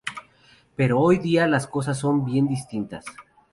Pero hoy día las cosas son bien distintas.